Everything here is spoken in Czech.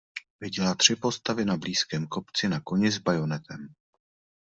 Viděla tři postavy na blízkém kopci na koni s bajonetem.